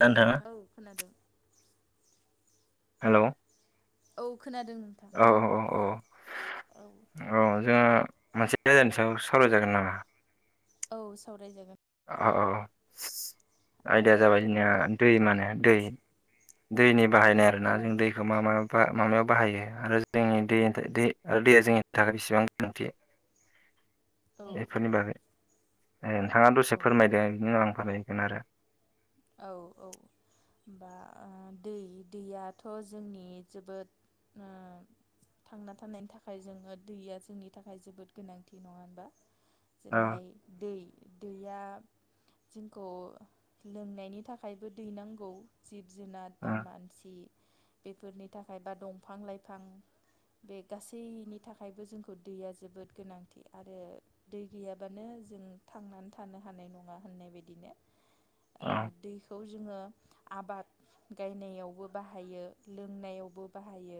दा हेलौ नोंथाङा नोंथा खोनादों हेलौ औ खोनादों नोंथां औ औ औ औ। मोनसे आइदानि सायाव सावरायजागोन नामा? औ सावरायजागोन। औ औ आयदाया आयदाखौ जाबाय जोंनिया फोरमायदो दै नोंथाङा माने दै। दैनि बाहायनाय आरोना औ जों दैखौ मा मायाव बा माबायाव बाहायो आरो जोंनि दै आरो दैया जोंनि थाखाय बेसेबां गोनांथि औ बेफोरनि बागै औ ओ नोंथाङा दसे औ फोरमायदों बिनि उन आं फोरमाय बेनो आरो। औ औ। बा ओ दै दैयाथ' जोंनि जोबोद ओ थांना थानायनि थाखाय जोङो दैया जोंनि थाखाय जोबोद गोनांथि नङा होनबा? औ जेरैहाय दै दैया जोंखौ लोंनायनि थाखायबो दैनांगौ जिब जुनार बा मानसि बेफोरनि थाखाय बा दंफां-लाइफां बे गासैनि थाखायबो जोंखौ दैया जोबोद गोनांथि आरो दै गैयाबानो जों थांनानै थानो हानाय नङा होननाय बायदिनो ओ औ दैखौ जोङो आबाद गायनायावबो बाहायो लोंनायावबो बाहायो।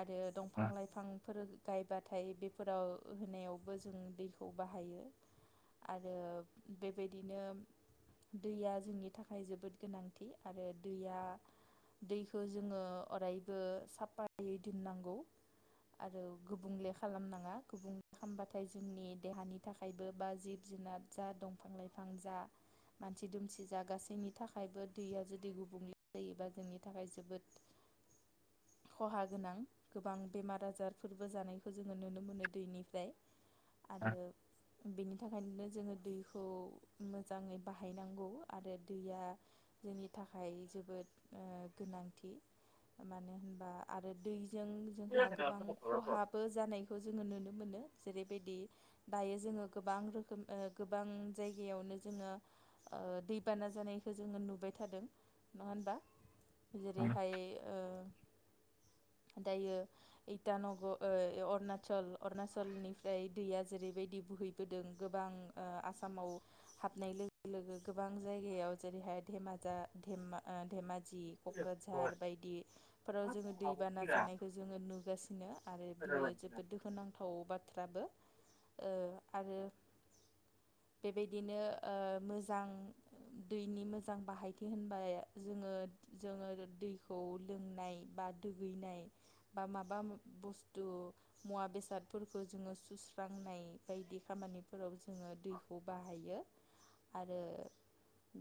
आरो दंफां लाइफांफोर गायबाथाय बेफोराव होनायावबो जों दैखौ बाहायो। आरो बेबायदिनो दैया जोंनि थाखाय जोबोद गोनांथि आरो दैया दैखो जोङो अरायबो साफायै दोननांगौ। आरो गुबुंले खालामनाङा गुबुंले खालामबाथाय जोंनि देहानि थाखायबो बा जिबु जु जुनार जा दंफां लाइफां जा मानसि दुमसि जा गासैनि थाखायबो दैया जुदि गुबुंले जायोबा जोंनि थाखाय जोबोद [inaudible] खहा गोनां गोबां बेमार आजारफोरबो जानायखौ जोङो नुनो मोनो दैनिफ्राय। आरो बेनि थाखायनो जोङो दैखौ मोजाङै बाहायनांगौ आरो दैया जोंनि थाखाय जोबोद ओ गोनांथि। मानो होनबा आरो दै जों जोंहा गोबां खहाबो जानायखौ जोङो नुनो मोनो। जेरैबायदि दायो जोङो गोबां रोखोम ओ गोबां जायगायावनो जोङो दैबाना जानायखौ जोङो नुबाय थादों नङा होनबा? जेरैहाय ओ दायो इटानग ऐ ओ अरुणच अरुणचलनिफ्राय दैया जेरै बाय यदि बहैबोदों गोबां ओ आसामाव हनाय लो गो लोगो गोबां जायगायाव जेरैहाय धामाजा ओ धेमा जि क'क्राझार बायदिफोराव जोङो दैबाना जानायखौ जोङो नुगासिनो आरो बियो जोबोद दुख नांथाव बाथ्राबो। ओ आरो बेबायदिनो ओ मोजां दैनि मोजां बाहायथि होनबा जोङो जोङो दैखौ लोंनाय बा दुगैनाय बा माबा बस्थु मुवा बेसादफोरखौ जोङो सुस्रा नाय बायदि खामानिफोराव जोङो दैखौ बाहायो। आरो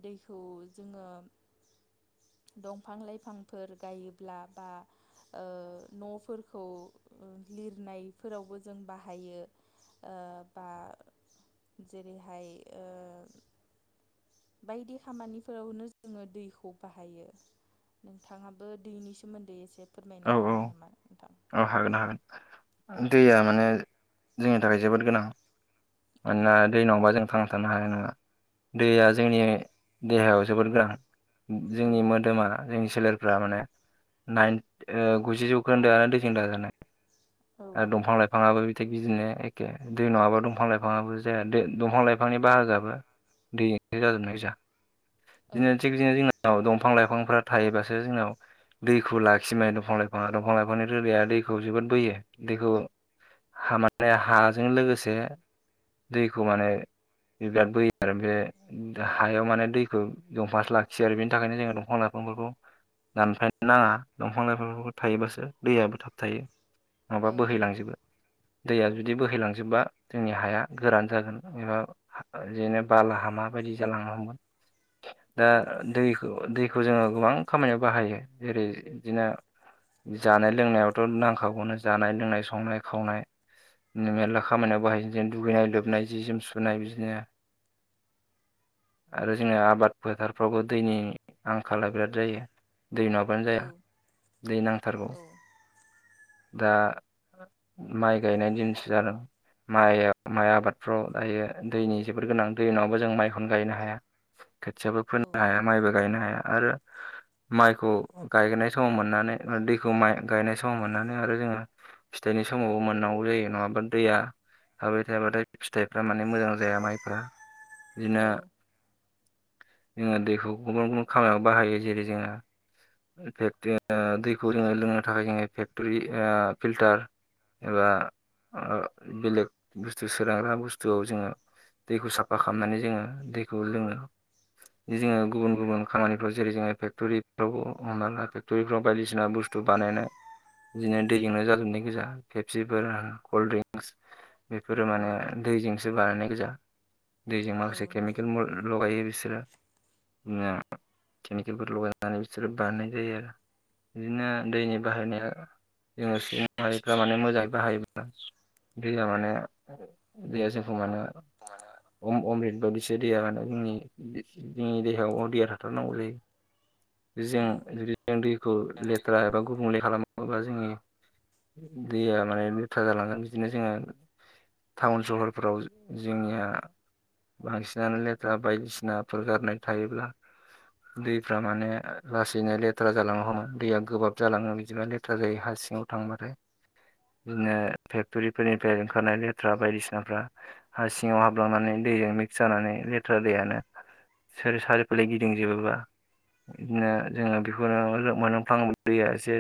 दैखौ जोङो दंफां लाइफांफोर गायोब्ला बा ओ न'फोरखौ लिरनायफोरावबो जों बाहायो। ओ बा जेरैहाय ओ बायदि खामानिफोरावनो जोङो दैखौ बाहायो। नोंथाङाबो दैनि सोमोन्दै एसे फोरमायनो औ औ हागोन नामा नोंथां औ हागोन हागोन दैया माने जोंनि थाखाय जोबोद गोनां औ मानोना दै नङबा जों थांनाथानो हानाय नङा दैया जोंनि देहायाव जोबोद गोनां औ जोंनि मोदोमा जोंनि सोलेरफ्रा माने नाइन गुजि जौखोन्दो आरो दैजों दाजानाय। आरो दंफां लाइफाङाबो थिग बिदिनो एखे दै नङाबा दंफां लाइफाङाबो जाया दंफां लाइफांनि बाहागोआबो देजोंनो जाजोबनाय गाजा। औ बिदिनो थिग बिदिनो जोंनाव दंफां लाइफांफ्रा थायोबासो जोंनाव दैखौ लाखि सिमाया दंफां लाइफां दंफां लाइफांनि रैया दैखौ जोबोद बोयो दैखौ हामाने हाजों लोगोसे दैखौ माने बिराद बोयो आरो बे हायाव माने दैखौ दंफांआसो लाखियो आरो बेनि थाखायनो जोङो दंफां लाइफां दंफांफोरखौ दानफायनो नाङा दंफां-लाइफांफोरखौ थायोबासो दैयाबो थाब थायो। नङाबा औ नंगौ बोहैलांजोबो दैया औ जुदि बोहैलांजोबबा। जोंनि हाया गोरान जागोन ओ बिदिनो बाला हामाबायदि जालांनो हमगोन। दा औ दैखौ-दैखौ जोङो गोबां खामानियाव बाहायो जेरै- बिदिनो जानाय-लोंनायावथ' नांखागौनो जानाय-लोंनाय, संनाय, खावनाय‌। मेरला खामानियाव बाहायो जो दुगैनाय, लोबनाय, जि-जोम सुनाय बिदिनो। आरो जोंनो आबाद फोथारफ्रावबो दैनि आंखाला बिराद जायो। दै नङाबानो औ जाया। दै नांथारगौ। दा माइ गायनायनि दिनसो जादों। माइ-माइ आबादफ्राव दायो दैनि जोबोर गोनां दै नङाबा जों माइखौनो गायनो हाया। खोथियाबो औ फोनो हाया माइबो गायनो हाया आरो माइखौ गायनाय। समाव मोननानै दैखौ माइ गायनाय समाव मोननानै आरो जोङो। फिथाइनि समावबो मोननांगौ जायो नङाबा दैया। थाबाय थायाबाथाय फिथाइफ्रा माने मोजां जाया माइफ्रा बिदिनो। औ जोङो दैखौ गुबुन-गुबुन खामानियाव बाहायो जेरै-जोंहा। जोङो दैखौ जोङो लोंनो थाखाय जोङो फेक्टरि ओ फिल्टार‌। एबा ओ बेलेग बुस्थु सोदांग्रा बुस्थुआव जोङो। दैखौ साफा खालामनानै जोङो दैखौ लोङो। जोङो गुबुन-गुबुन खामानिफोरा जेरै-जोङो फेक्ट'रिफ्रावबो हमना लादो। त' इफ्राव बायदिसिना बुस्थु बानायनाय। बिदिनो दै जोंनो जाजोबनाय गोजा पेपसिफोर कल्ड ड्रिंक्स। बेफोरो औ माने दैजोंसो बानायनाय गोजा। दैजों औ माखासे नंगौ केमिकेल मो लगायो बिसोरो। नो केमिकेलफोर लगायनानै बिसोरो बानायनाय जायो आरो। बिदिनो दैनि बाहायनाया। जोङो सुबुंमाहारिफ्रा माने मोजाङै बाहायोब्ला। दैया माने दैया जोंखौ माने अम अम्रित। बादिसो दैया माने जोंनि-जोंनि देहायाव अर दैया थाथारनांगौ जायो। जों औ जुदि जों दैखौ लेथ्रा एबा गुबुंले खालामोबा जोंनि। दैया माने लेथ्रा जालांगोन बिदिनो जोङो। टाउन सहरफोराव जोंनिया। बांसिनानो लेथ्रा बायदिसिनाफोर गारनाय थायोब्ला। दैफ्रा माने लासैनो लेत। लेथ्रा जालांनो हमो दैया गोबाब जालांङो बिदिनो लेथ्रा जायो हां सिङाव थांबाथाय। बिनो फेक्टरिफोरनिफ्राय ओंखारनाय लेथ्रा बायदिसिनाफ्रा हा सिङाव हाबलांनानै। दैजों मिक्स जानानै लेथ्रा दैयानो। सोर सारिफाले गिदिंजोबोबा बिदिनो जोङो बिखौ। बोनो जों मोनलोंफ्लाङोबा दैया एसे।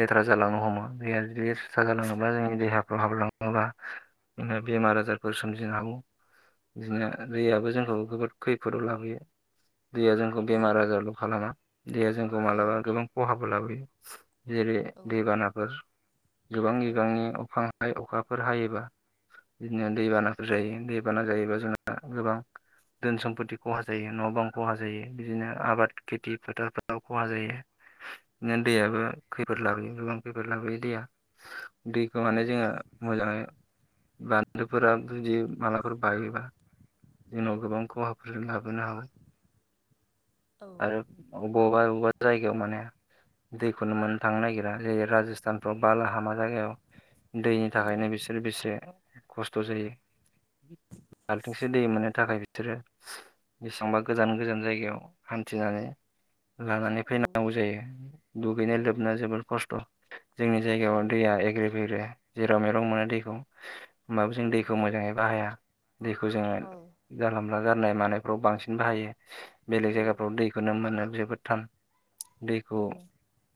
लेथ्रा जालांनो हमो दैया लेथ्रा जालाङोबा जोंनि देहाफ्राव हाबलाङोबा। नो बेमार आजारफोर सोमजिनो हागौ। बिदिनो दैयाबो जोंखौ गोबोद खैफोदाव लाबोयो। दैया जोंखौ बेमार आजारल' खालामा दैया जोंखौ औ मालाबा गोबां खहाबो लाबोयो। जेरै-दैबानाफोर गोबां बिबांनि अखां हाय अखाफोर हायोबा। बिदिनो दैबानाफोर जायो दैबाना जायोबा जोंहा गोबां। धोन-सम्पति खहा जायो न'-बां खहा जायो बिदिनो आबाद खेथि फोथारफोर। आव खहा जायो बिनो दैयाबो खैफोद लाबोयो गोबां खैफोद लाबोयो दैया। दैखौ माने जोङो मोजाङै। बान्दोफोरा जुदि मालाफोर बायोबा। जोंनाव गोबां खहाफोरजों लाबोनो हा। आरो अबावबा अबावबा जायगायाव माने दैखौनो मोननो थांनो नागिरा जेरै राजस्थानफ्राव बालाहामा जायगायाव दैनि थाखायनो बिसोर बेसे खस्थ' जायो बाल्थिंसे दै मोननो थाखाय बिथोरो बेसेबांबा गोजान गोजान जायगायाव हान्थिनानै लानानै फैनांगौ जायो दुगैनाय लोबनो जोबोद खस्थ' जोंनि जायगायाव दैया एग्रे बेग्रे जेराव मेराव मोनो दैखौ होमबाबो जों दैखौ मोजाङै बाहाया दैखौ जोङो जानलामोलाजा नाय मानायफ्राव बांसिन बाहायो बेलेग जायगाफ्राव दैखौनो मोननो जोबोदथान दैखौ औ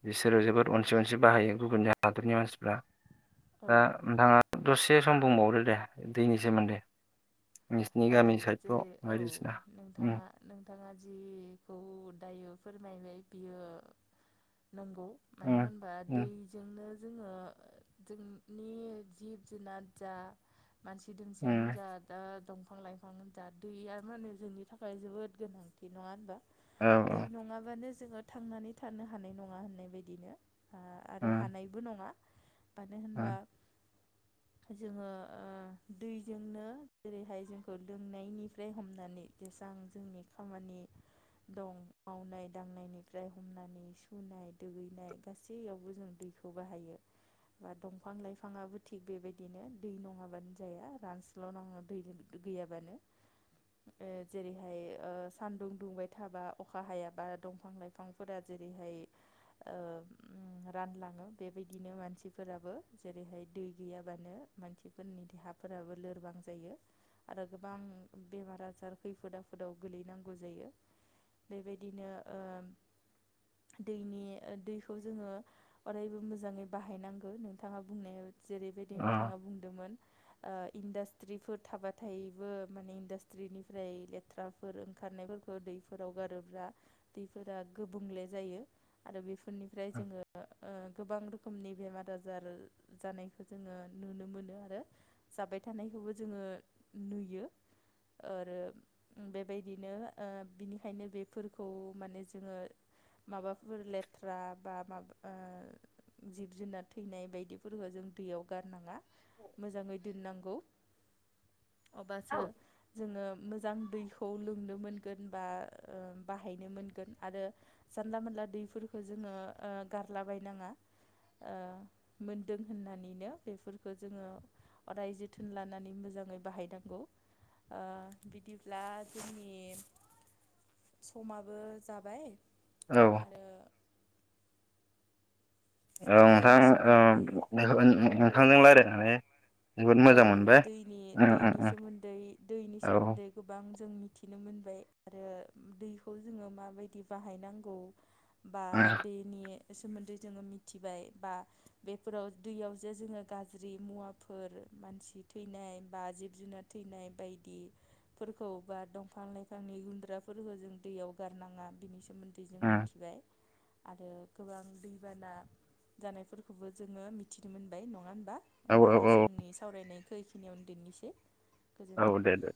बिसोरो जोबोद अनसि अनसि बाहायो गुबुन हादरनि मानसिफ्रा औ दा नोंथाङा दसे सम बुंबावदो दे दैनि सोमोन्दो औ जेरै औ उम नोंथाङा नोंथाङा जि खौ दायो फोरमायबाय बियो नंगौ मानो उम होनबा उम दैजोंनो जोङो जोंनि जिब जुनार जा मानसि दुमसियानो उम जा दा बिफां लाइफां जा दैया माने जोंनि थाखाय जोबोद गोनांथि नङा होनबा औ दै नङाबानो जोङो थांनानै थानो हानाय नङा होननाय बायदिनो आ आरो उम हानायबो नङा मानो होनबा उम जोङो ओ दैजोंनो जेरैहाय जों खौ लोंनायनिफ्राय हमनानै जेसां जोंनि खामानि दं मावनाय दांनायनिफ्राय हमनानै सुनाय दुगैनाय गासैयावबो जों दै खौ बाहायो। बा दंफां लाइफाङाबो थिग बेबायदिनो दै नङाबानो जाया रानस्रलाङो दै गैयाबानो। ओ जेरैहाय ओ सानदुं दुंबाय थाबा अखा हायाबा दंफां लाइफांफोरा जे जेरैहाय ओ ओम रानलाङो बेबायदिनो मानसिफोराबो जेरैहाय दै गैयाबानो मानसिफोरनि देहाफोराबो लोरबां जायो। आरो गोबां बेमार आजार खैफोद आफोदाव गोलैनांगौ जायो। बेबायदिनो ओ दैनि दैखौ जोङो अरायबो मोजाङै बाहायनांगौ नोंथाङा बुंनायाव जेरैबायदि अ नोंथाङा बुंदोंमोन ओ इन्डास्ट्रिफोर थाबा थायोबो माने इन्डासट्रिनिफ्राय लेथ्राफोर ओंखारनायफोरखौ दैफोराव गारोब्रा दैफोरा गुबुंले जायो आरो बेफोरनिफ्राय जोङो ओ गोबां रोखोम रोखोमनि बेमार आजार जानायखौ जोङो नुनो मोनो आरो जाबाय थानायखौबो जोङो नुयो। आरो बेबायदिनो ओ बिनिखायनो बेफोरखौ माने जोङो माबाफोर लेथ्रा बा माबा जिब जुनार थैनाय बायदिफोरफोरखौ जों दैयाव गारनाङा मोजाङै दोननांगौ। अब्लासो जोङो मोजां दैखौ लोंनो मोनगोन बा बाहायनो मोनगोन आरो जानला मोनला दैफोरखौ जोङो गारलाबायनाङा। ओ मोनदों होननानैनो बेफोरखौ जोङो अराय जोथोन लानानै मोजाङै बाहायनांगौ बिदिब्ला जोंनि समाबो जाबाय औ आरो औ दैनि नोंथां सोमोन्दै ओम नोंथांजों लायरायनानै औ दैनि-दैनि उम सोमोन्दै दैनि औ उम सोमोन्दै गोबां जोंनि मिथिनो मोनबाय आरो दैखौ जोङो माबायदि बाहायनांगौ बा उम बेनि सोमोन्दै जोङो मिथिबाय बा बेफोराव दैयाव जे जोङो गाज्रि मुवाफोर मानसि थैनाय बा जिब जुनार थैनाय बायदिफोरखौ बा दंफां लाइफांनि मै गुन्द्राफोरखो जों दैयाव गारनाङा बिनि सोमोन्दै जों मिथिबाय। आरो गोबां दैबाना जानायफोरखौबो जोङो मिथिनो मोनबाय नङा होन बा औ होमबा जोंनि सावरायनायखौ एखिनियावनो दोननोसै। औ गोजोन्थों दे दे।